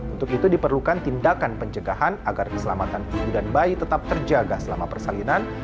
untuk itu diperlukan tindakan pencegahan agar keselamatan ibu dan bayi tetap terjaga selama persalinan